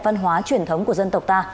văn hóa truyền thống của dân tộc ta